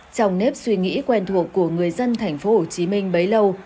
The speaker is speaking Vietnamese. trong nếp suy nghĩ quen thuộc của người dân thành phố hồ chí minh bấy lâu